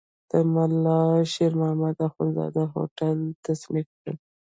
د ملا شیر محمد اخوندزاده هوتکی تصنیف دی.